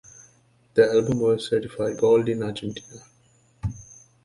The album was certified Gold in Argentina.